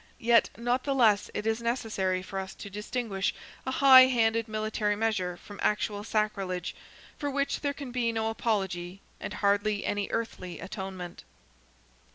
Yet not the less is it necessary for us to distinguish a high handed military measure from actual sacrilege, for which there can be no apology, and hardly any earthly atonement.